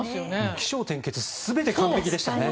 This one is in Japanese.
起承転結全て完璧でしたね。